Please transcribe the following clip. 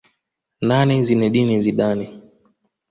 Nane Zinedine Zidane